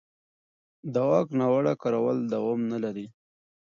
د واک ناوړه کارول دوام نه لري